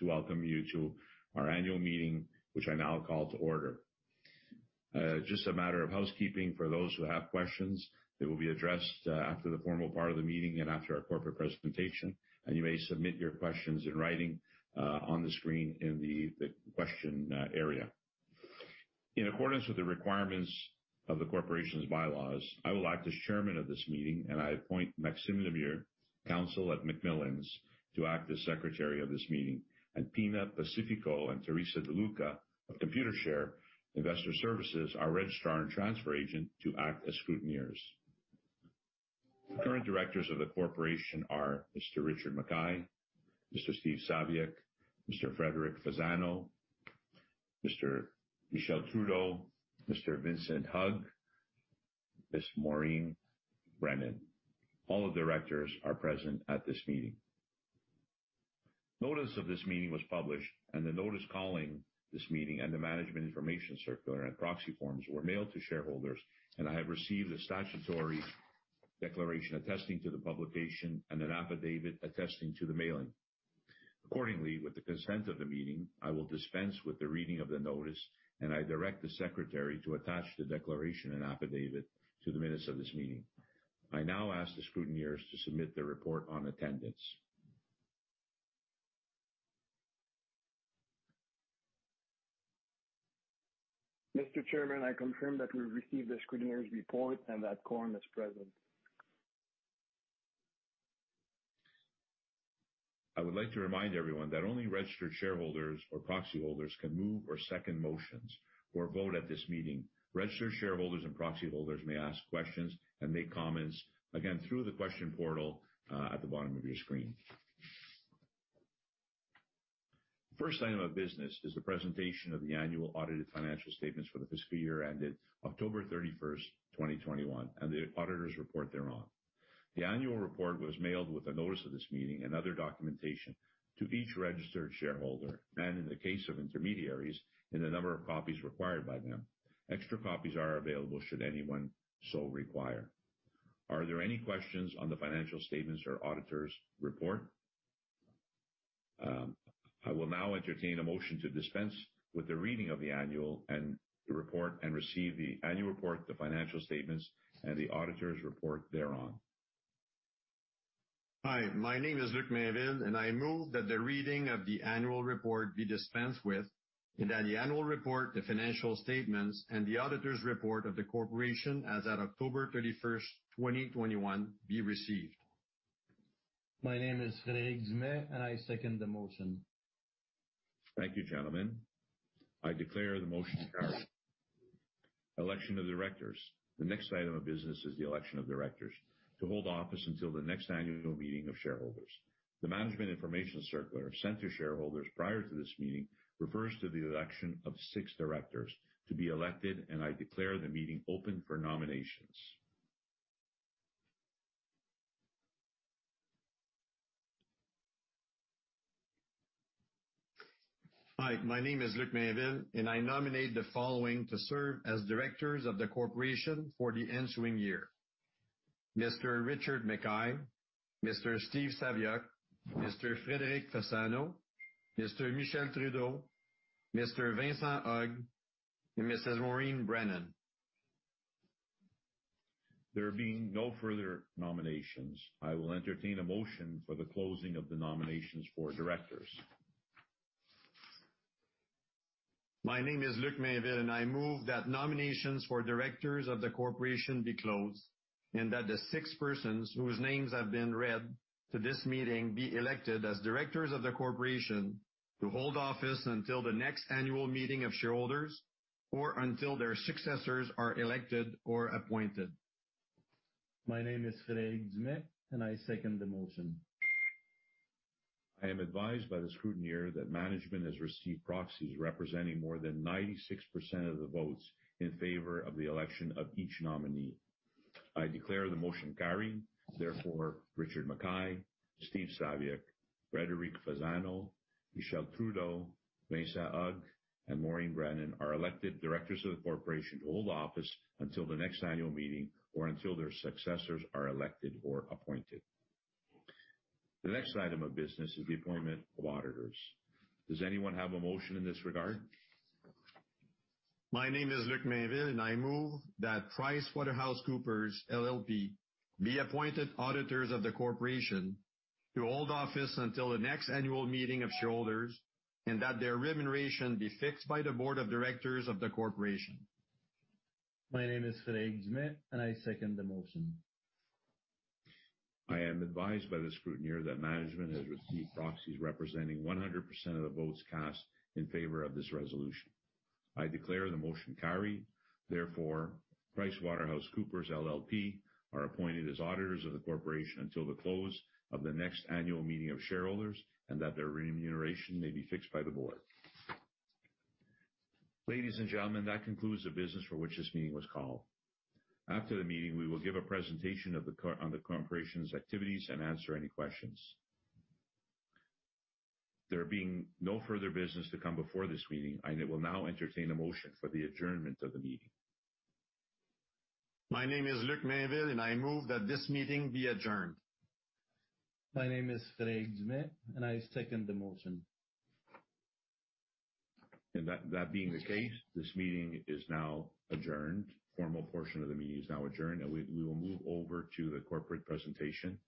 Thank you. To welcome you to our annual meeting, which I now call to order. Just a matter of housekeeping. For those who have questions, they will be addressed after the formal part of the meeting and after our corporate presentation. You may submit your questions in writing on the screen in the question area. In accordance with the requirements of the corporation's bylaws, I will act as chairman of this meeting, and I appoint Maxime Lemire, counsel at McMillan LLP, to act as secretary of this meeting, and Pina Pacifico and Theresa De Luca of Computershare Investor Services, our registrar and transfer agent, to act as scrutineers. The current directors of the corporation are Mr. Richard MacKay, Mr. Steve Saviuk, Mr. Frederic Fasano, Mr. Michel Trudeau, Mr. Vincent Hogue, Ms. Maureen Brennan. All the Directors are present at this meeting. Notice of this meeting was published, and the notice calling this meeting and the management information circular and proxy forms were mailed to shareholders, and I have received a statutory declaration attesting to the publication and an affidavit attesting to the mailing. Accordingly, with the consent of the meeting, I will dispense with the reading of the notice, and I direct the secretary to attach the declaration and affidavit to the minutes of this meeting. I now ask the scrutineers to submit their report on attendance. Mr. Chairman, I confirm that we received the scrutineer's report and that quorum is present. I would like to remind everyone that only registered shareholders or proxy holders can move or second motions or vote at this meeting. Registered shareholders and proxy holders may ask questions and make comments, again, through the question portal at the bottom of your screen. First item of business is the presentation of the annual audited financial statements for the fiscal year ended October 31st, 2021, and the auditor's report thereon. The annual report was mailed with a notice of this meeting and other documentation to each registered shareholder. In the case of intermediaries, in the number of copies required by them. Extra copies are available, should anyone so require. Are there any questions on the financial statements or auditor's report? I will now entertain a motion to dispense with the reading of the annual report and receive the annual report, the financial statements, and the auditor's report thereon. Hi, my name is Luc Mainville, and I move that the reading of the annual report be dispensed with, and that the annual report, the financial statements, and the auditor's report of the corporation as at October 31st, 2021 be received. My name is Frederic Dumais, and I second the motion. Thank you, gentlemen. I declare the motion carried. Election of directors. The next item of business is the election of directors to hold office until the next annual meeting of shareholders. The management information circular sent to shareholders prior to this meeting refers to the election of six directors to be elected, and I declare the meeting open for nominations. Hi, my name is Luc Mainville, and I nominate the following to serve as directors of the corporation for the ensuing year. Mr. Richard MacKay, Mr. Steve Saviuk, Mr. Frederic Fasano, Mr. Michel Trudeau, Mr. Vincent Hogue, and Mrs. Maureen Brennan. There being no further nominations, I will entertain a motion for the closing of the nominations for Directors. My name is Luc Mainville, and I move that nominations for Directors of the corporation be closed, and that the six persons whose names have been read to this meeting be elected as Directors of the corporation to hold office until the next annual meeting of shareholders or until their successors are elected or appointed. My name is Frederic Dumais, and I second the motion. I am advised by the scrutineer that management has received proxies representing more than 96% of the votes in favor of the election of each nominee. I declare the motion carried. Therefore, Richard MacKay, Steve Saviuk, Frederic Fasano, Michel Trudeau, Vincent Hogue, and Maureen Brennan are elected directors of the corporation to hold office until the next annual meeting or until their successors are elected or appointed. The next item of business is the appointment of auditors. Does anyone have a motion in this regard? My name is Luc Mainville, and I move that PricewaterhouseCoopers LLP be appointed auditors of the corporation to hold office until the next annual meeting of shareholders, and that their remuneration be fixed by the board of directors of the corporation. My name is Frederic Dumais, and I second the motion. I am advised by the scrutineer that management has received proxies representing 100% of the votes cast in favor of this resolution. I declare the motion carried. Therefore, PricewaterhouseCoopers LLP are appointed as auditors of the corporation until the close of the next annual meeting of shareholders, and that their remuneration may be fixed by the board. Ladies and gentlemen, that concludes the business for which this meeting was called. After the meeting, we will give a presentation on the corporation's activities and answer any questions. There being no further business to come before this meeting, I will now entertain a motion for the adjournment of the meeting. My name is Luc Mainville, and I move that this meeting be adjourned. My name is Frederic Dumais, and I second the motion. That being the case, this meeting is now adjourned. Formal portion of the meeting is now adjourned, and we will move over to the corporate presentation.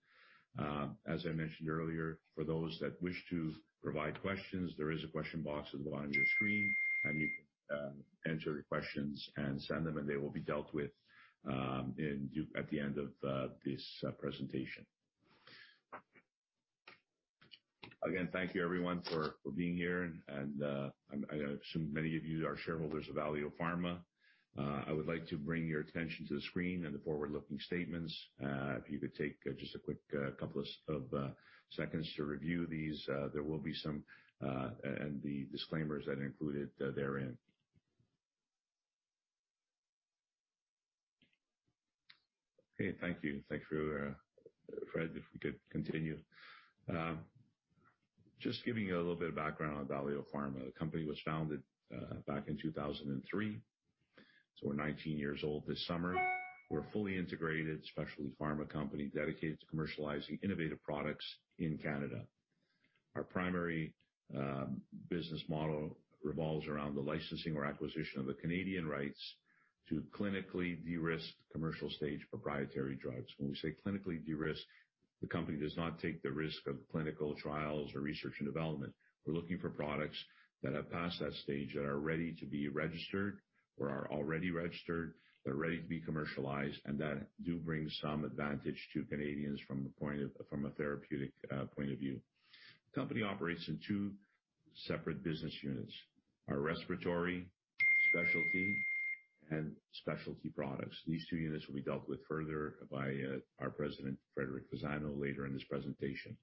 As I mentioned earlier, for those that wish to provide questions, there is a question box at the bottom of your screen. You can enter your questions and send them, and they will be dealt with at the end of this presentation. Again, thank you, everyone, for being here, and I assume many of you are shareholders of Valeo Pharma. I would like to bring your attention to the screen and the forward-looking statements. If you could take just a quick couple of seconds to review these, and the disclaimers that are included therein. Okay. Thank you. Thanks for that, Fred. If we could continue. Just giving you a little bit of background on Valeo Pharma. The company was founded back in 2003, so we're 19 years old this summer. We're a fully integrated specialty pharma company dedicated to commercializing innovative products in Canada. Our primary business model revolves around the licensing or acquisition of the Canadian rights to clinically de-risk commercial-stage proprietary drugs. When we say clinically de-risk, the company does not take the risk of clinical trials or research and development. We're looking for products that have passed that stage, that are ready to be registered or are already registered, that are ready to be commercialized, and that do bring some advantage to Canadians from a therapeutic point of view. The company operates in two separate business units. Our respiratory specialty and specialty products. These two units will be dealt with further by our president, Frederic Fasano, later in this presentation.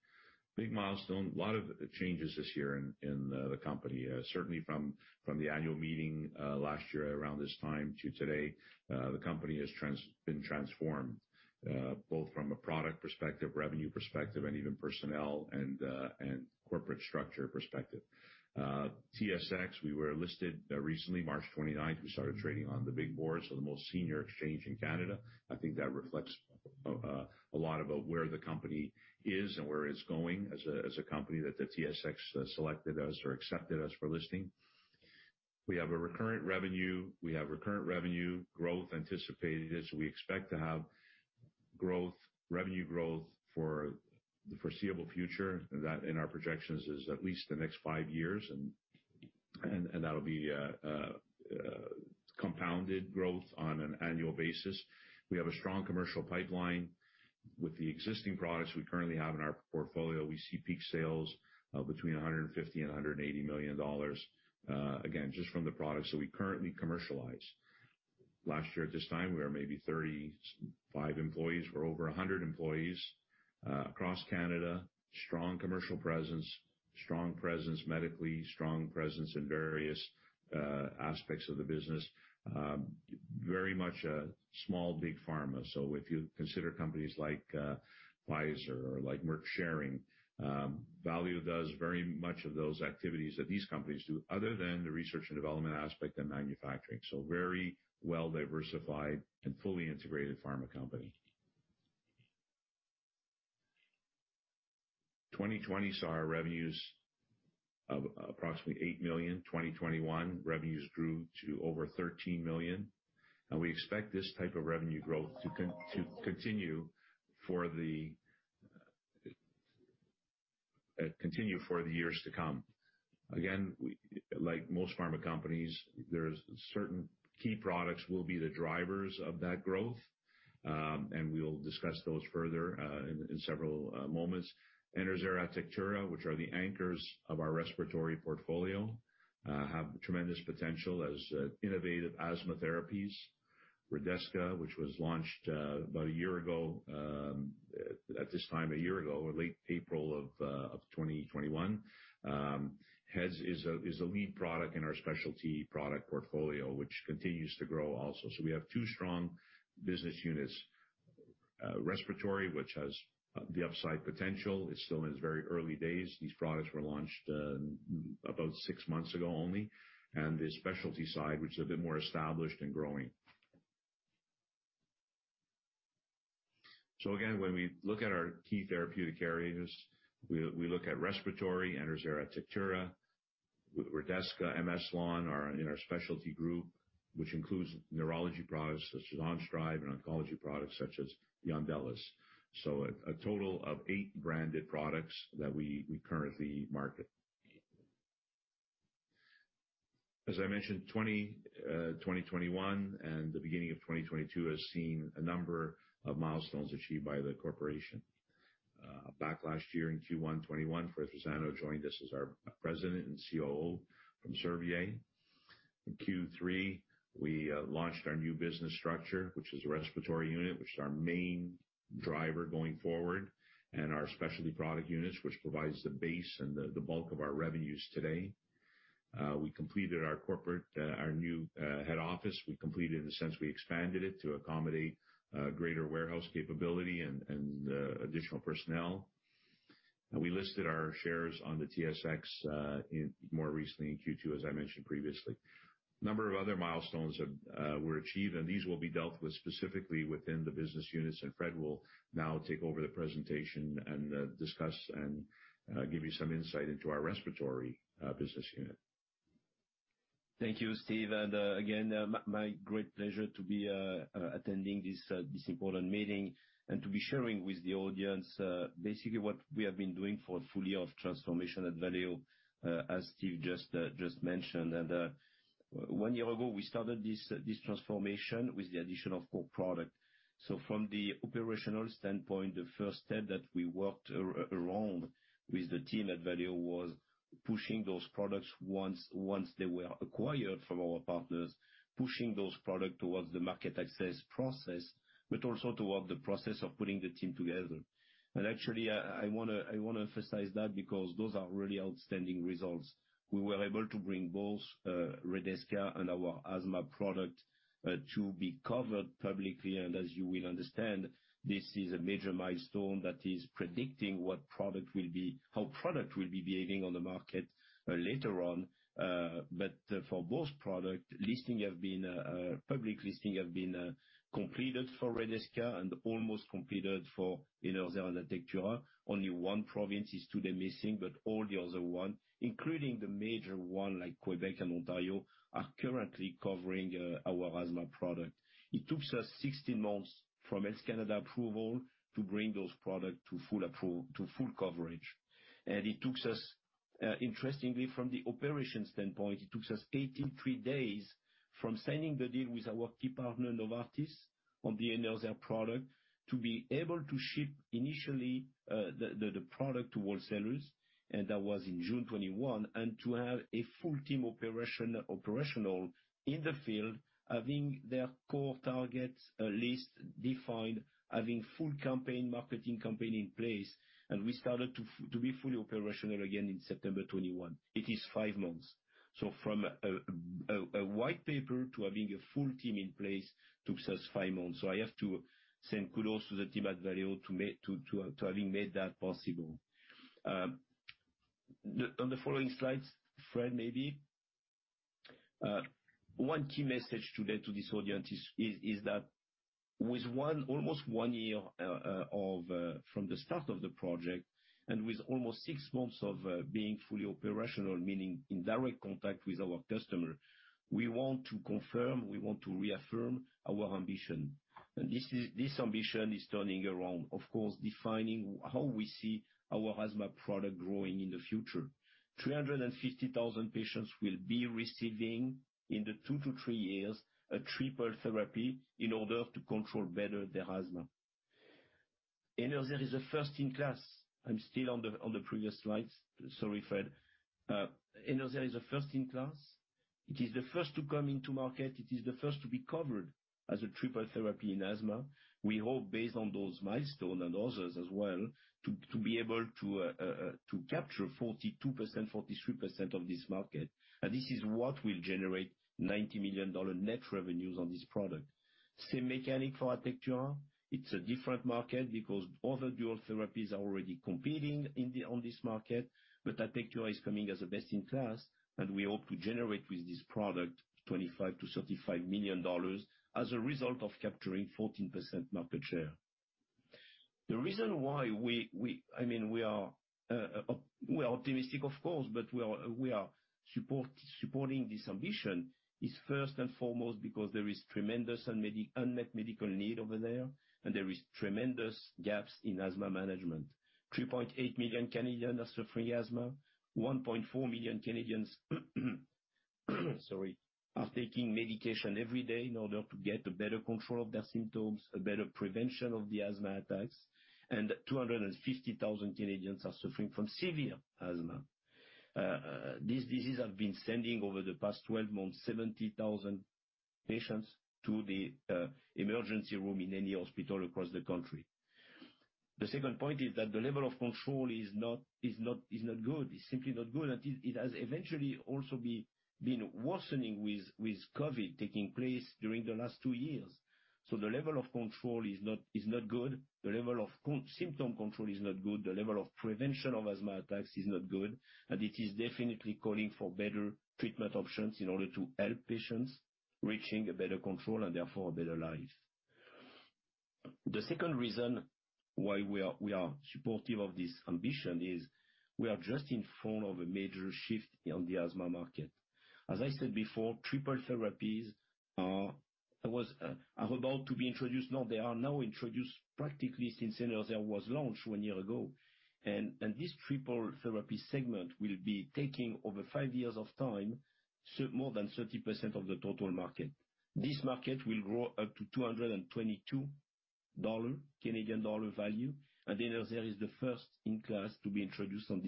Big milestone. A lot of changes this year in the company. Certainly from the annual meeting last year around this time to today, the company has been transformed both from a product perspective, revenue perspective, and even personnel and corporate structure perspective. TSX, we were listed recently, March 29th, we started trading on the big board, so the most senior exchange in Canada. I think that reflects a lot about where the company is and where it's going as a company that the TSX selected us or accepted us for listing. We have a recurrent revenue growth anticipated. We expect to have revenue growth for the foreseeable future. That, in our projections, is at least the next five years, and that'll be compounded growth on an annual basis. We have a strong commercial pipeline. With the existing products we currently have in our portfolio, we see peak sales of between 150 million and 180 million dollars. Again, just from the products that we currently commercialize. Last year at this time, we were maybe 35 employees. We're over 100 employees across Canada. Strong commercial presence, strong presence medically, strong presence in various aspects of the business. Very much a small, big pharma. If you consider companies like Pfizer or like Merck Serono, Valeo does very much of those activities that these companies do, other than the research and development aspect and manufacturing. Very well-diversified and fully integrated pharma company. 2020 saw our revenues of approximately 8 million. 2021, revenues grew to over 13 million, and we expect this type of revenue growth to continue for the years to come. Again, like most pharma companies, there's certain key products will be the drivers of that growth, and we will discuss those further in several moments. Enerzair, Atectura, which are the anchors of our respiratory portfolio, have tremendous potential as innovative asthma therapies. Redesca, which was launched about a year ago, at this time a year ago, or late April of 2021, is a lead product in our specialty product portfolio, which continues to grow also. We have two strong business units. Respiratory, which has the upside potential. It's still in its very early days. These products were launched about six months ago only. The specialty side, which is a bit more established and growing. Again, when we look at our key therapeutic areas, we look at respiratory, Enerzair, Atectura. With Redesca, M-Eslon in our specialty group, which includes neurology products such as Onstryv and oncology products such as Yondelis. A total of eight branded products that we currently market. As I mentioned, 2021 and the beginning of 2022 has seen a number of milestones achieved by the corporation. Back last year in Q1 2021, Frederic Fasano joined us as our President and COO from Servier. In Q3, we launched our new business structure, which is the respiratory unit, which is our main driver going forward, and our specialty product units, which provides the base and the bulk of our revenues today. We completed our new head office. We completed it in the sense we expanded it to accommodate greater warehouse capability and additional personnel. We listed our shares on the TSX, more recently in Q2, as I mentioned previously. A number of other milestones were achieved, and these will be dealt with specifically within the business units. Frederic Fasano will now take over the presentation and discuss and give you some insight into our respiratory business unit. Thank you, Steve. Again, my great pleasure to be attending this important meeting and to be sharing with the audience basically what we have been doing for a full year of transformation at Valeo, as Steve just mentioned. One year ago, we started this transformation with the addition of core product. From the operational standpoint, the first step that we worked around with the team at Valeo was pushing those products once they were acquired from our partners, pushing those products towards the market access process, but also toward the process of putting the team together. Actually, I want to emphasize that because those are really outstanding results. We were able to bring both Redesca and our asthma product to be covered publicly. As you will understand, this is a major milestone that is predicting how product will be behaving on the market later on. For both products, public listings have been completed for Redesca and almost completed for Enerzair and Atectura. Only one province is today missing, but all the other ones, including the major ones like Quebec and Ontario, are currently covering our asthma products. It took us 16 months from Health Canada approval to bring those products to full coverage. Interestingly, from the operational standpoint, it took us 83 days from signing the deal with our key partner, Novartis, on the Enerzair product, to be able to ship initially the product to wholesalers, and that was in June 2021. To have a full team operational in the field, having their core targets list defined, having full marketing campaign in place, and we started to be fully operational again in September 2021. It is five months. From a white paper to having a full team in place took us five months. I have to send kudos to the team at Valeo to having made that possible. On the following slides, Fred, maybe. One key message today to this audience is that with almost 1 year from the start of the project and with almost 6 months of being fully operational, meaning in direct contact with our customer, we want to confirm, we want to reaffirm our ambition. This ambition is turning around, of course, defining how we see our asthma product growing in the future. 350,000 patients will be receiving, in two to three years, a triple therapy in order to control better their asthma. Enerzair is a first in class. I'm still on the previous slides. Sorry, Fred. Enerzair is a first in class. It is the first to come into market. It is the first to be covered as a triple therapy in asthma. We hope based on those milestone and others as well, to be able to capture 42%-43% of this market. This is what will generate 90 million dollar net revenues on this product. Same mechanic for Atectura. It's a different market because other dual therapies are already competing on this market, but Atectura is coming as a best in class, and we hope to generate with this product 25 million-35 million dollars as a result of capturing 14% market share. The reason why we are optimistic, of course, but we are supporting this ambition, is first and foremost because there is tremendous unmet medical need over there, and there is tremendous gaps in asthma management. 3.8 million Canadians are suffering asthma. 1.4 million Canadians are taking medication every day in order to get a better control of their symptoms, a better prevention of the asthma attacks, and 250,000 Canadians are suffering from severe asthma. These diseases have been sending over the past 12 months, 70,000 patients to the emergency room in any hospital across the country. The second point is that the level of control is not good. It's simply not good, and it has eventually also been worsening with COVID taking place during the last two years. The level of control is not good. The level of symptom control is not good. The level of prevention of asthma attacks is not good, and it is definitely calling for better treatment options in order to help patients reaching a better control and therefore a better life. The second reason why we are supportive of this ambition is we are just in front of a major shift on the asthma market. As I said before, triple therapies are about to be introduced. No, they are now introduced practically since Enerzair was launched one year ago. This triple therapy segment will be taking over five years of time, more than 30% of the total market. This market will grow up to 222 Canadian dollar value, and Enerzair is the first in class to be introduced on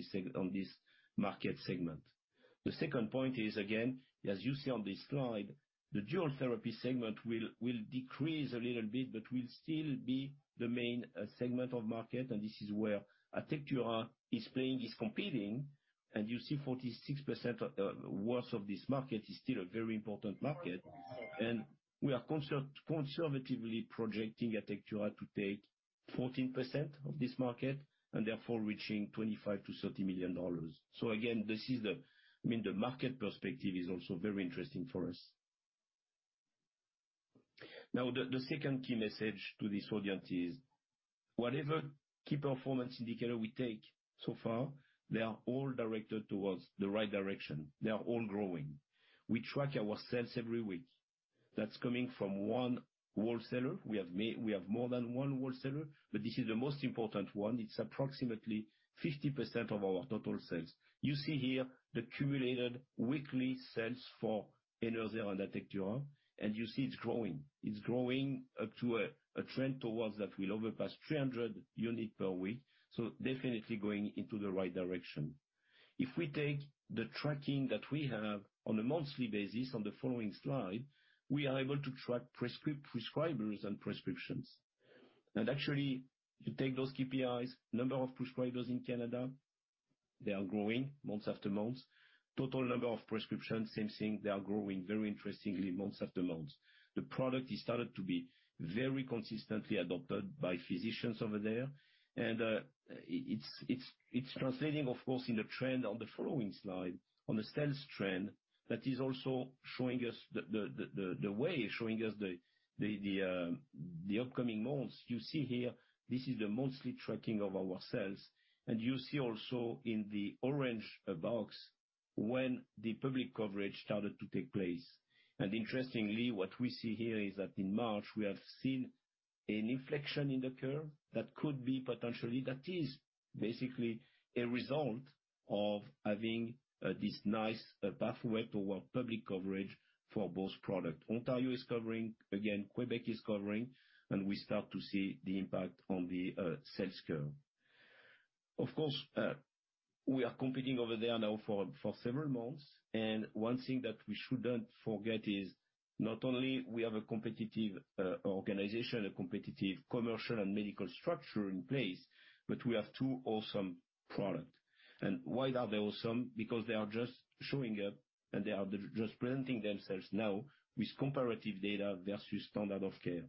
this market segment. The second point is, again, as you see on this slide, the dual therapy segment will decrease a little bit but will still be the main segment of market, and this is where Atectura is competing. You see 46% worth of this market is still a very important market. We are conservatively projecting Atectura to take 14% of this market, and therefore reaching 25 million-30 million dollars. Again, the market perspective is also very interesting for us. Now, the second key message to this audience is, whatever key performance indicator we take so far, they are all directed towards the right direction. They are all growing. We track our sales every week. That's coming from one wholesaler. We have more than one wholesaler, but this is the most important one. It's approximately 50% of our total sales. You see here the cumulative weekly sales for Enerzair and Atectura, and you see it's growing. It's growing up to a trend towards that will surpass 300 units per week. Definitely going into the right direction. If we take the tracking that we have on a monthly basis on the following slide, we are able to track prescribers and prescriptions. Actually, you take those KPIs, number of prescribers in Canada, they are growing month after month. Total number of prescriptions, same thing, they are growing very interestingly month after month. The product has started to be very consistently adopted by physicians over there, and it's translating, of course, in the trend on the following slide, on the sales trend that is also showing us the way, showing us the upcoming months. You see here, this is the monthly tracking of our sales. You see also in the orange box when the public coverage started to take place. Interestingly, what we see here is that in March, we have seen an inflection in the curve that is basically a result of having this nice pathway toward public coverage for both products. Ontario is covering, again, Quebec is covering, and we start to see the impact on the sales curve. Of course, we are competing over there now for several months. One thing that we shouldn't forget is not only we have a competitive organization, a competitive commercial, and medical structure in place, but we have two awesome products. Why are they awesome? Because they are just showing up, and they are just presenting themselves now with comparative data versus standard of care.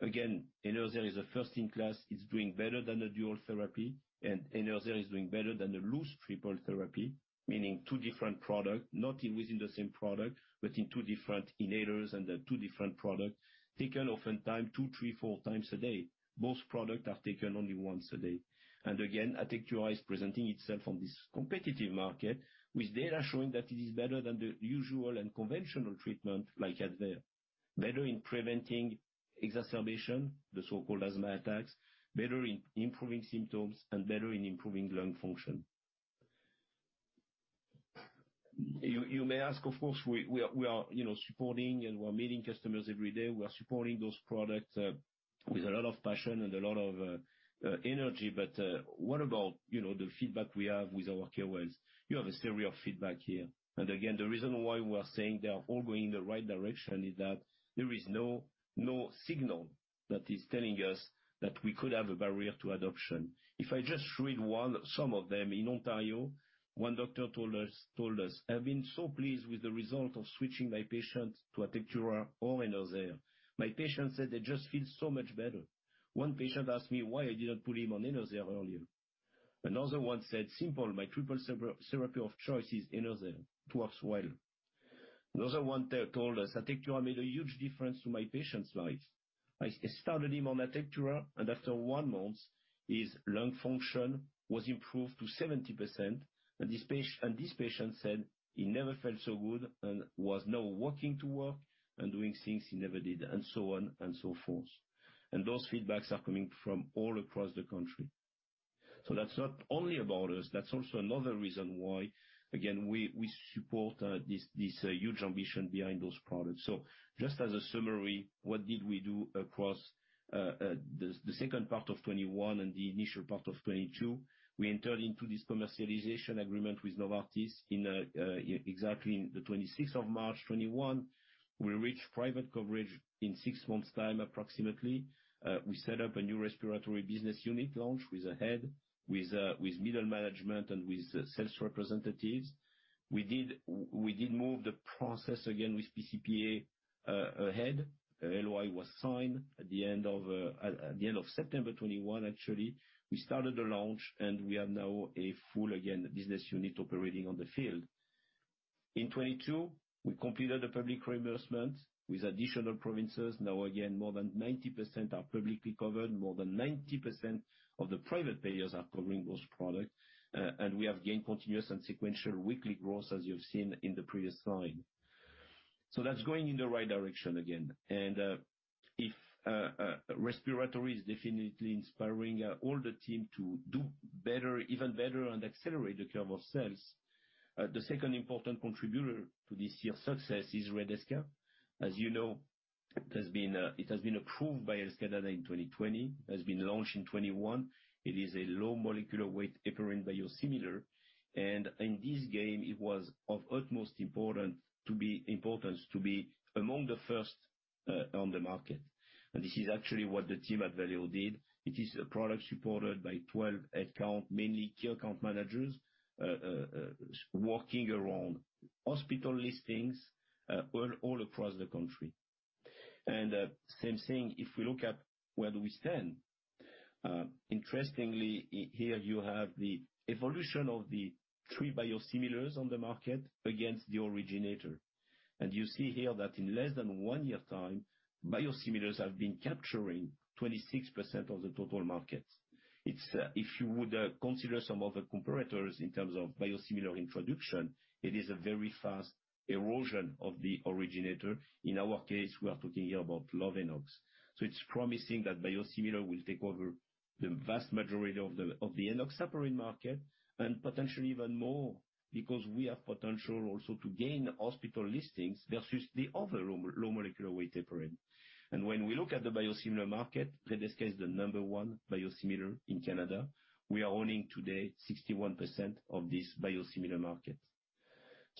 Again, Enerzair Breezhaler is a first in class, it's doing better than the dual therapy, and Enerzair Breezhaler is doing better than the loose triple therapy, meaning two different product, not within the same product, but in two different inhalers and two different products, taken oftentimes 2x, 3x, 4x a day. Both product are taken only once a day. Again, Atectura Breezhaler is presenting itself on this competitive market with data showing that it is better than the usual and conventional treatment like Advair. Better in preventing exacerbation, the so-called asthma attacks, better in improving symptoms, and better in improving lung function. You may ask, of course, we are supporting and we are meeting customers every day. We are supporting those products with a lot of passion and a lot of energy. What about the feedback we have with our caregivers? You have a series of feedback here. Again, the reason why we are saying they are all going in the right direction is that there is no signal that is telling us that we could have a barrier to adoption. If I just read some of them in Ontario, one doctor told us, "I've been so pleased with the result of switching my patients to Atectura or Enerzair. My patients said they just feel so much better. One patient asked me why I didn't put him on Enerzair earlier." Another one said, "Simple. My triple therapy of choice is Enerzair. It works well." Another one told us, "Atectura made a huge difference to my patient's life. I started him on Atectura, and after one month, his lung function was improved to 70%, and this patient said he never felt so good and was now walking to work and doing things he never did." And so on and so forth. Those feedbacks are coming from all across the country. That's not only about us, that's also another reason why, again, we support this huge ambition behind those products. Just as a summary, what did we do across the second part of 2021 and the initial part of 2022? We entered into this commercialization agreement with Novartis exactly on the 26th of March 2021. We reached private coverage in six months' time, approximately. We set up a new respiratory business unit launch with a head, with middle management, and with sales representatives. We did move the process again with PCPA ahead. LOI was signed at the end of September 2021, actually. We started the launch, and we are now a full again business unit operating on the field. In 2022, we completed the public reimbursement with additional provinces. Now again, more than 90% are publicly covered. More than 90% of the private payers are covering those products. We have gained continuous and sequential weekly growth, as you have seen in the previous slide. That's going in the right direction again. If respiratory is definitely inspiring all the team to do even better and accelerate the curve of sales, the second important contributor to this year's success is Redesca. As you know, it has been approved by Health Canada in 2020. It has been launched in 2021. It is a low molecular weight heparin biosimilar. In this game, it was of utmost importance to be among the first on the market. This is actually what the team at Valeo did. It is a product supported by 12 head count, mainly key account managers, working around hospital listings all across the country. Same thing, if we look at where do we stand. Interestingly, here you have the evolution of the three biosimilars on the market against the originator. You see here that in less than one year time, biosimilars have been capturing 26% of the total market. If you would consider some other comparators in terms of biosimilar introduction, it is a very fast erosion of the originator. In our case, we are talking here about Lovenox. It's promising that biosimilar will take over the vast majority of the enoxaparin market, and potentially even more, because we have potential also to gain hospital listings versus the other low molecular weight heparin. When we look at the biosimilar market, Redesca is the number one biosimilar in Canada. We are owning today 61% of this biosimilar market.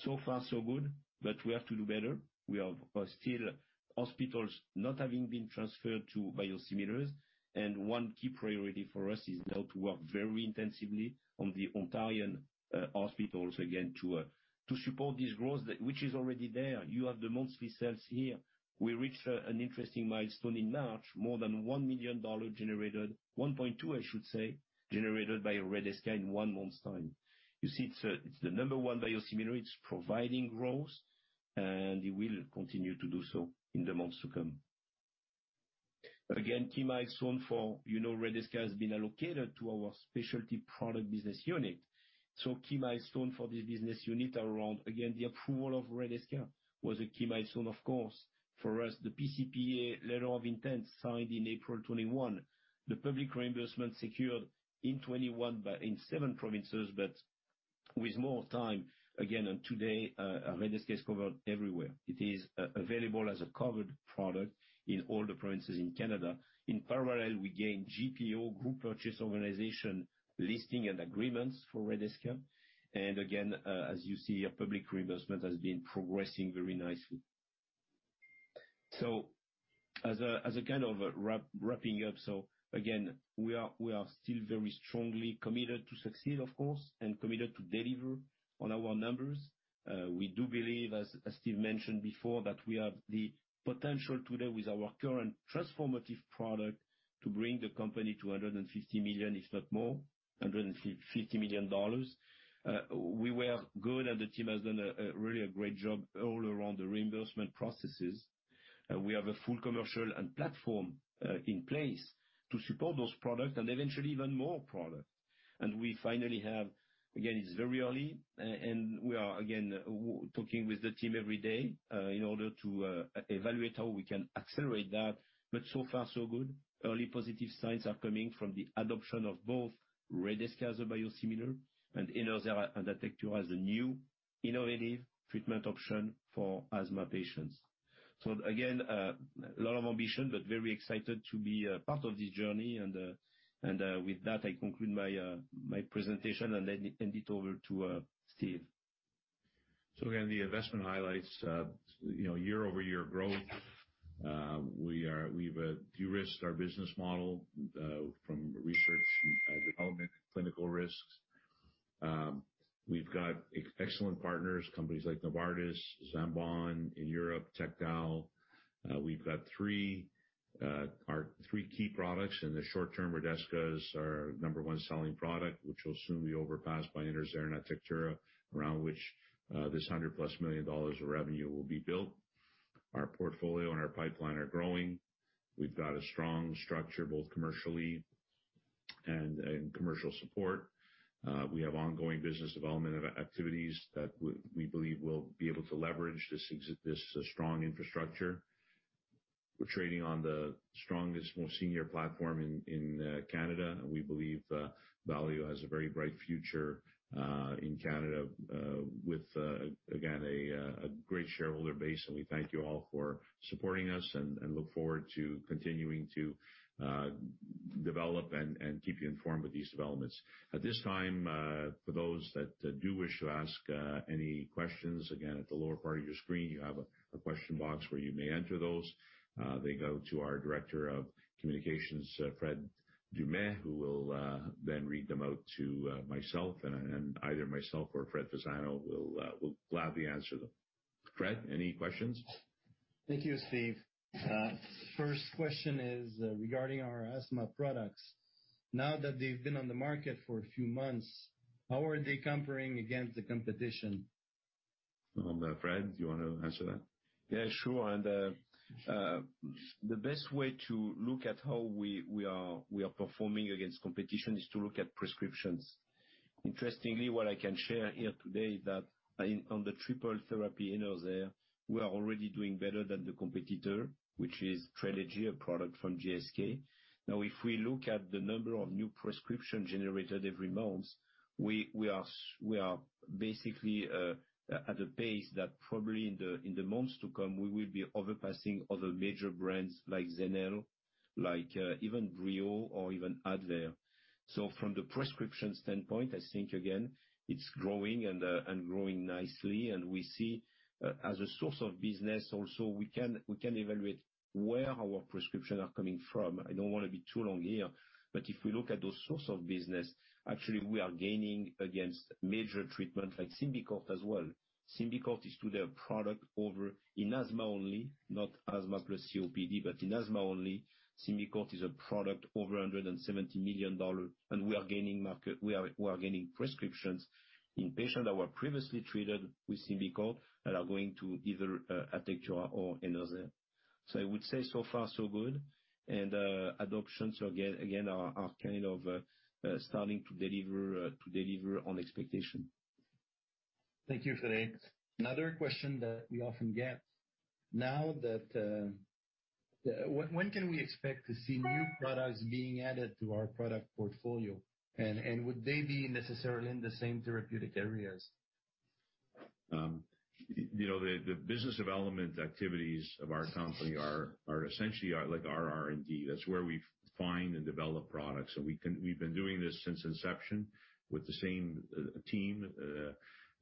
So far, so good, but we have to do better. We have still hospitals not having been transferred to biosimilars, and one key priority for us is now to work very intensively on the Ontarian hospitals again, to support this growth, which is already there. You have the monthly sales here. We reached an interesting milestone in March. More than 1 million dollars generated, 1.2 million I should say, generated by Redesca in one month's time. You see, it's the number one biosimilar. It's providing growth, and it will continue to do so in the months to come. Again, key milestone for you know Redesca has been allocated to our specialty product business unit. Key milestone for this business unit are around, again, the approval of Redesca was a key milestone, of course, for us, the PCPA letter of intent signed in April 2021. The public reimbursement secured in 2021, but in seven provinces, but with more time. Again today, Redesca is covered everywhere. It is available as a covered product in all the provinces in Canada. In parallel, we gained GPO, group purchase organization, listing and agreements for Redesca. Again, as you see, public reimbursement has been progressing very nicely. As a kind of wrapping up, so again, we are still very strongly committed to succeed, of course, and committed to deliver on our numbers. We do believe, as Steve mentioned before, that we have the potential today with our current transformative product to bring the company to 150 million, if not more. 150 million dollars. We were good, and the team has done a really great job all around the reimbursement processes. We have a full commercial and platform in place to support those products and eventually even more products. We finally have, again, it's very early and we are, again, talking with the team every day, in order to evaluate how we can accelerate that. So far so good. Early positive signs are coming from the adoption of both Redesca as a biosimilar and in Enerzair and Atectura as a new innovative treatment option for asthma patients. Again, a lot of ambition, but very excited to be part of this journey. With that, I conclude my presentation and hand it over to Steve. The investment highlights, year-over-year growth. We've de-risked our business model from research and development, clinical risks. We've got excellent partners, companies like Novartis, Zambon in Europe, Takeda. We've got our three key products. In the short term, Redesca is our number one selling product, which will soon be surpassed by Enerzair and Atectura, around which this 100+ million dollars of revenue will be built. Our portfolio and our pipeline are growing. We've got a strong structure, both commercially and in commercial support. We have ongoing business development activities that we believe we'll be able to leverage this strong infrastructure. We're trading on the strongest, most senior platform in Canada, and we believe Valeo has a very bright future in Canada with, again, a great shareholder base. We thank you all for supporting us and look forward to continuing to develop and keep you informed with these developments. At this time, for those that do wish to ask any questions, again, at the lower part of your screen, you have a question box where you may enter those. They go to our Director of Communications, Frederic Dumais, who will then read them out to myself, and either myself or Fred Fasano will gladly answer them. Fred, any questions? Thank you, Steve. First question is regarding our asthma products. Now that they've been on the market for a few months, how are they comparing against the competition? Fred, do you want to answer that? Yeah, sure. The best way to look at how we are performing against competition is to look at prescriptions. Interestingly, what I can share here today that on the triple therapy in there, we are already doing better than the competitor, which is Trelegy, a product from GSK. Now, if we look at the number of new prescriptions generated every month, we are basically at a pace that probably in the months to come, we will be surpassing other major brands like Zenhale, like even Breo or even Advair. From the prescription standpoint, I think again, it's growing and growing nicely, and we see as a source of business also we can evaluate where our prescription are coming from. I don't want to be too long here, but if we look at those source of business, actually we are gaining against major treatment like Symbicort as well. Symbicort is to their product over in asthma only, not asthma plus COPD, but in asthma only, Symbicort is a product over 170 million dollars. We are gaining prescriptions in patients that were previously treated with Symbicort that are going to either Atectura or Enerzair. I would say so far so good. Adoptions again are kind of starting to deliver on expectation. Thank you, Fred. Another question that we often get. When can we expect to see new products being added to our product portfolio? Would they be necessarily in the same therapeutic areas? The business development activities of our company are essentially our R&D. That's where we find and develop products. We've been doing this since inception with the same team,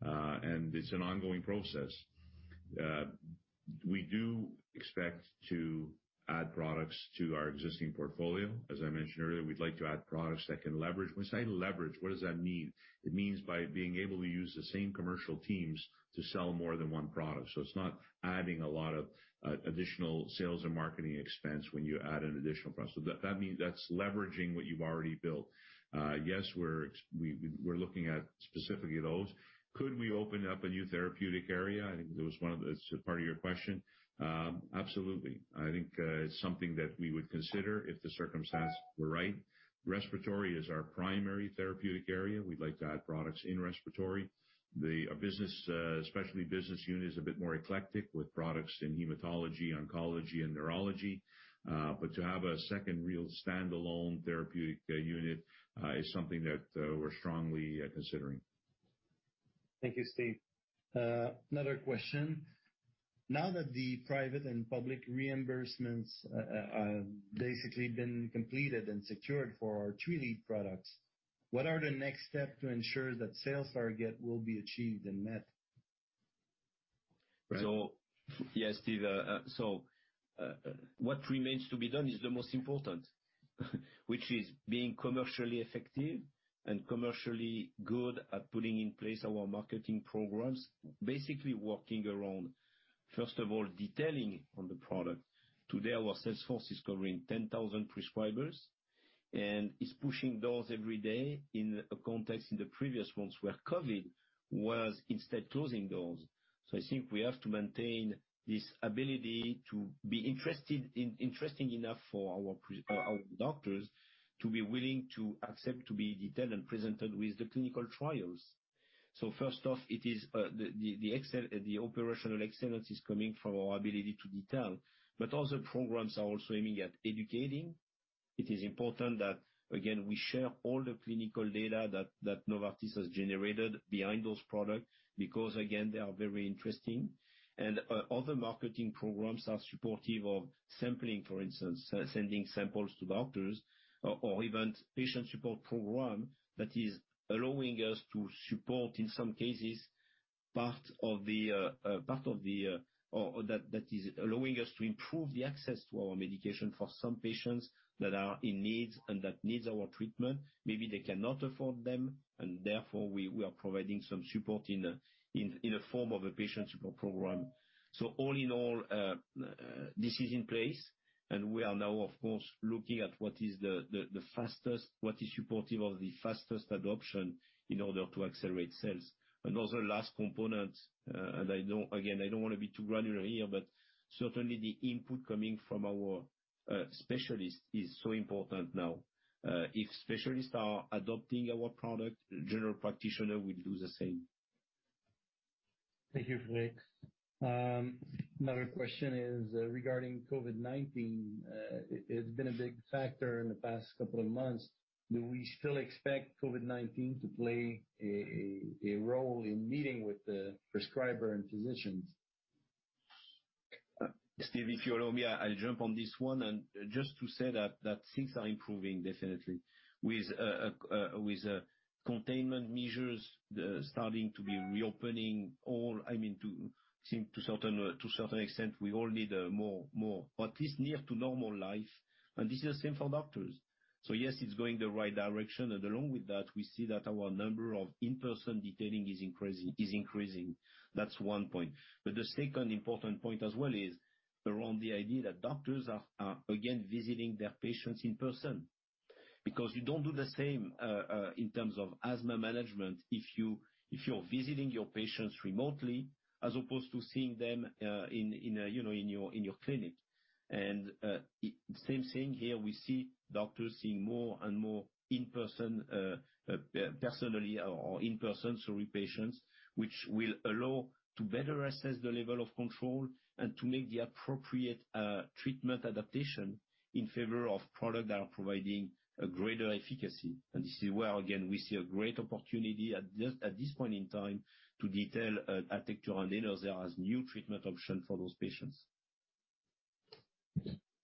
and it's an ongoing process. We do expect to add products to our existing portfolio. As I mentioned earlier, we'd like to add products that can leverage. When I say leverage, what does that mean? It means by being able to use the same commercial teams to sell more than one product. It's not adding a lot of additional sales and marketing expense when you add an additional product. That's leveraging what you've already built. Yes, we're looking at specifically those. Could we open up a new therapeutic area? I think that's part of your question. Absolutely. I think it's something that we would consider if the circumstance were right. Respiratory is our primary therapeutic area. We'd like to add products in respiratory. The specialty business unit is a bit more eclectic, with products in hematology, oncology, and neurology. To have a second real standalone therapeutic unit, is something that we're strongly considering. Thank you, Steve. Another question. Now that the private and public reimbursements have basically been completed and secured for our three lead products, what are the next steps to ensure that sales target will be achieved and met? Yes, Steve. What remains to be done is the most important, which is being commercially effective and commercially good at putting in place our marketing programs. Basically working around, first of all, detailing on the product. Today, our sales force is covering 10,000 prescribers, and is pushing doors every day in a context in the previous months where COVID was instead closing doors. I think we have to maintain this ability to be interesting enough for our doctors to be willing to accept to be detailed and presented with the clinical trials. First off, the operational excellence is coming from our ability to detail. But other programs are also aiming at educating. It is important that, again, we share all the clinical data that Novartis has generated behind those products, because again, they are very interesting. Other marketing programs are supportive of sampling, for instance, sending samples to doctors or even patient support program that is allowing us to support, in some cases, that is allowing us to improve the access to our medication for some patients that are in need and that needs our treatment. Maybe they cannot afford them, and therefore, we are providing some support in the form of a patient support program. All in all, this is in place, and we are now, of course, looking at what is supportive of the fastest adoption in order to accelerate sales. Another last component, and again, I don't want to be too granular here, but certainly the input coming from our specialists is so important now. If specialists are adopting our product, general practitioner will do the same. Thank you, Fred. Another question is regarding COVID-19. It's been a big factor in the past couple of months. Do we still expect COVID-19 to play a role in meeting with the prescriber and physicians? Steve, if you allow me, I'll jump on this one, and just to say that things are improving, definitely. With containment measures starting to reopen, all, I mean, to a certain extent, we all need more, at least nearer to normal life, and this is the same for doctors. Yes, it's going the right direction, and along with that, we see that our number of in-person detailing is increasing. That's one point. The second important point as well is around the idea that doctors are again visiting their patients in person. Because you don't do the same in terms of asthma management if you're visiting your patients remotely as opposed to seeing them in your clinic. Same thing here, we see doctors seeing more and more in-person patients, which will allow to better assess the level of control and to make the appropriate treatment adaptation in favor of products that are providing a greater efficacy. This is where, again, we see a great opportunity at this point in time to detail Atectura and Enerzair as new treatment options for those patients.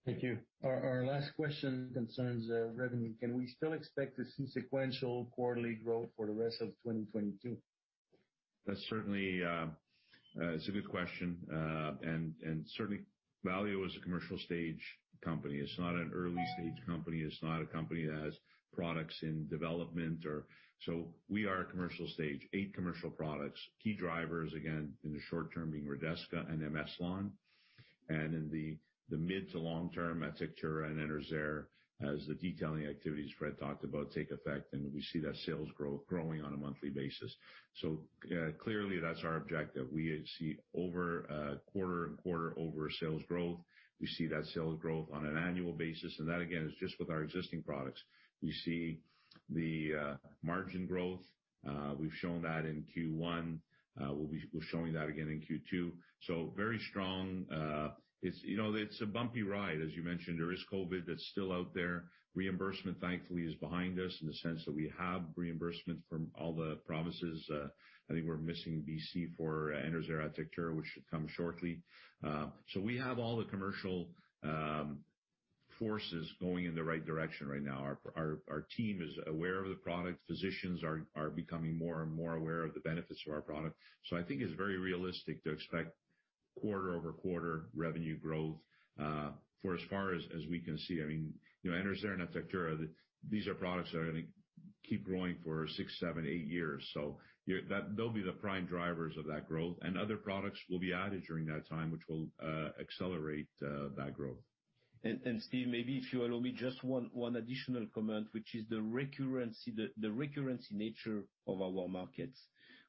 Thank you. Our last question concerns revenue. Can we still expect to see sequential quarterly growth for the rest of 2022? That's certainly a good question. Certainly, Valeo is a commercial stage company. It's not an early stage company. It's not a company that has products in development. We are a commercial stage, eight commercial products. Key drivers, again, in the short term being Redesca and M-Eslon, and in the mid to long term, Atectura and Enerzair, as the detailing activities Fred talked about take effect, and we see that sales growing on a monthly basis. Clearly that's our objective. We see quarter-over-quarter sales growth. We see that sales growth on an annual basis, and that, again, is just with our existing products. We see the margin growth. We've shown that in Q1. We're showing that again in Q2. Very strong. It's a bumpy ride, as you mentioned. There is COVID that's still out there. Reimbursement, thankfully, is behind us in the sense that we have reimbursement from all the provinces. I think we're missing BC for Enerzair and Atectura, which should come shortly. We have all the commercial forces going in the right direction right now. Our team is aware of the product. Physicians are becoming more and more aware of the benefits of our product. I think it's very realistic to expect quarter-over-quarter revenue growth. For as far as we can see, Enerzair and Atectura, these are products that are going to keep growing for six, seven, eight years. They'll be the prime drivers of that growth, and other products will be added during that time, which will accelerate that growth. Steve, maybe if you allow me just one additional comment, which is the recurring nature of our markets,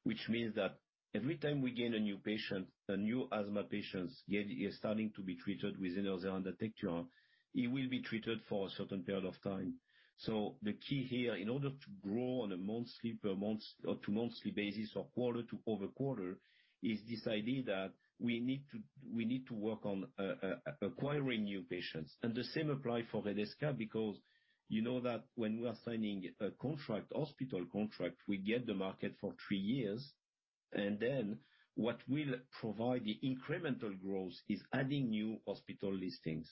which means that every time we gain a new patient, a new asthma patient is starting to be treated with Enerzair and Atectura, he will be treated for a certain period of time. The key here, in order to grow on a month-to-month basis or quarter-over-quarter, is this idea that we need to work on acquiring new patients. The same applies for Redesca, because you know that when we are signing a hospital contract, we get the market for three years, and then what will provide the incremental growth is adding new hospital listings.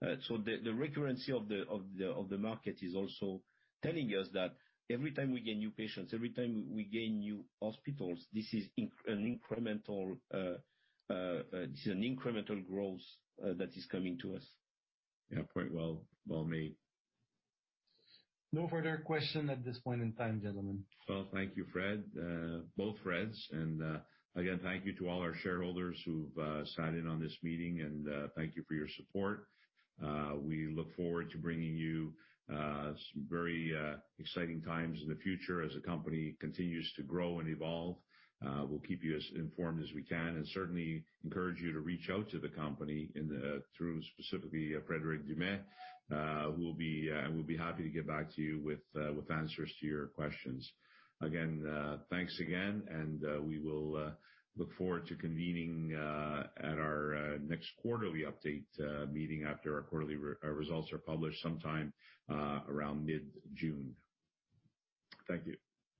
The recovery of the market is also telling us that every time we gain new patients, every time we gain new hospitals, this is an incremental growth that is coming to us. Yeah. Point well made. No further question at this point in time, gentlemen. Well, thank you, Fred. Both Freds, and again, thank you to all our shareholders who've signed in on this meeting, and thank you for your support. We look forward to bringing you some very exciting times in the future as the company continues to grow and evolve. We'll keep you as informed as we can, and certainly encourage you to reach out to the company through, specifically, Frederic Dumais, who will be happy to get back to you with answers to your questions. Again, thanks again, and we will look forward to convening at our next quarterly update meeting after our quarterly results are published sometime around mid-June. Thank you.